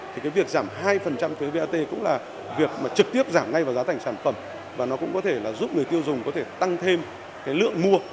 thì việc giảm hai thuế vat cũng là việc trực tiếp giảm ngay vào giá thành sản phẩm và nó cũng có thể giúp người tiêu dùng có thể tăng thêm lượng mua